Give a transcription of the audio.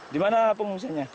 di mana pengungsinya